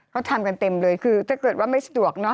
เขาทำกันเต็มเลยคือถ้าเกิดว่าไม่สะดวกเนาะ